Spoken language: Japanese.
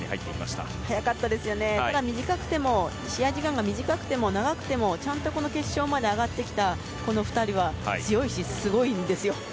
ただ試合時間が短くても長くてもちゃんと決勝まで上がってきたこの２人は強いし、すごいんですよ。